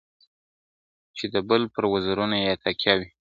چي د بل پر وزرونو یې تکیه وي ..